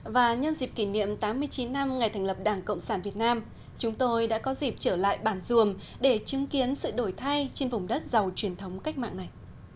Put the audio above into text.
và nhân dịp kỷ niệm tám mươi chín năm ngày thành lập đảng cộng sản việt nam chúng tôi đã có dịp trở lại bản duồm để chứng kiến sự đổi thay trên vùng đất giàu truyền thống cách mạng này